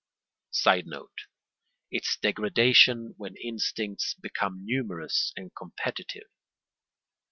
[Sidenote: Its degradation when instincts become numerous and competitive.